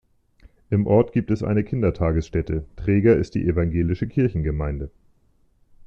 Im Ort gibt es eine Kindertagesstätte, Träger ist die evangelische Kirchengemeinde.